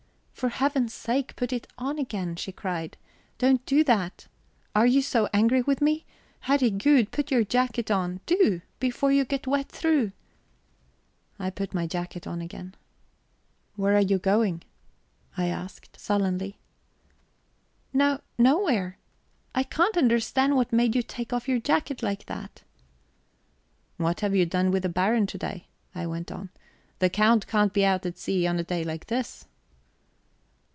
"For Heaven's sake put it on again," she cried. "Don't do that! Are you so angry with me? Herregud! put your jacket on, do, before you get wet through." I put on my jacket again. "Where are you going?" I asked sullenly. "No nowhere ... I can't understand what made you take off your jacket like that ..." "What have you done with the Baron to day?" I went on. "The Count can't be out at sea on a day like this."